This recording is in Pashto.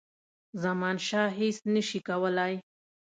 زمانشاه هیچ نه سي کولای.